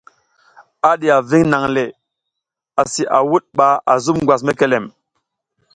A diya ving nang le asi a wuɗ ɓa a zuɓ ngwas mekelem.